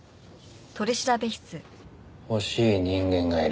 欲しい人間がいる。